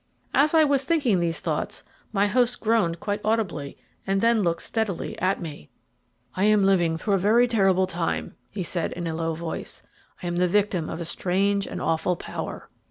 As I was thinking these thoughts my host groaned quite audibly, and then looked steadily at me. "I am living through a very terrible time," he said in a low voice. "I am the victim of a strange and awful power."